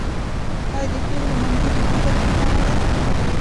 آیا د پیغلو منګي د ګودر ښکلا نه ده؟